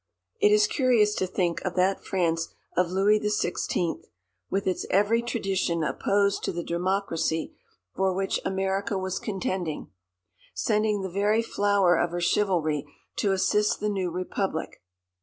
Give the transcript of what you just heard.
It is curious to think of that France of Louis the Sixteenth, with its every tradition opposed to the democracy for which America was contending, sending the very flower of her chivalry to assist the new republic.